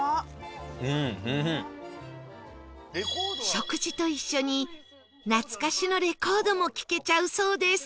食事と一緒に懐かしのレコードも聴けちゃうそうです